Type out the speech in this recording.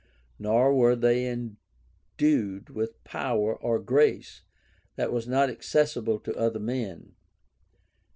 Nor were they endued with power or grace that was not accessible to other men.